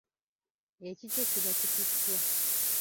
Ekikye kiba kituttwa.